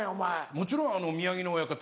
もちろん宮城野親方